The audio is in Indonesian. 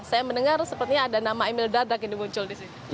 saya mendengar sepertinya ada nama emil dadak ini muncul di sini